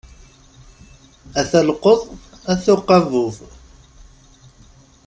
Ata lqeḍ, ata uqabub.